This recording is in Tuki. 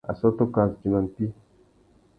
Assôtô kā zu timba mpí.